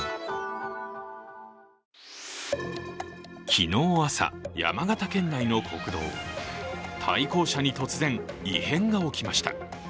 昨日朝、山形県内の国道対向車に突然、異変が起きました。